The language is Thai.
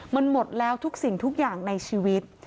มันหมดแล้วทุกสิ่งทุกอย่างในชีวิต